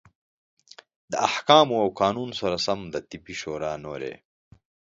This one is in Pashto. د احکامو او قانون سره سم د طبي شورا نورې